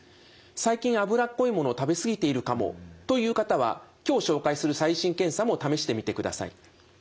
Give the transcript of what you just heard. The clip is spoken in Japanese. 最近脂っこいものを食べ過ぎているかもという方は今日紹介する最新検査も試してみてください。